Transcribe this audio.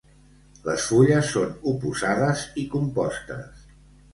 Les fulles són oposades i compostes.